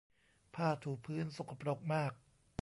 ผ้าถูพื้นสกปรกมาก